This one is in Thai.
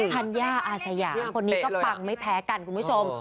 ธัญญาอาสยาคนนี้ก็ปังไม่แพ้กันคุณผู้ชม